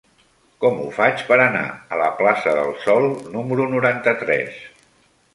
Com ho faig per anar a la plaça del Sol número noranta-tres?